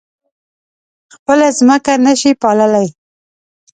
خپله ځمکه نه شي پاللی.